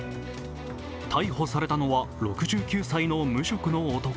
逮捕されたのは６９歳の無職の男。